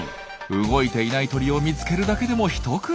動いていない鳥を見つけるだけでも一苦労。